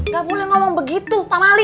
gak boleh ngomong begitu pak mali